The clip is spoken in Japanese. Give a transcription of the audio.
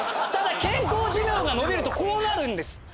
ただ健康寿命が延びるとこうなるんです。